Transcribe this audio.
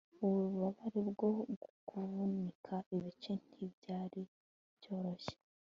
Ububabare bwo kuvunika ibice ntibyari byoroshye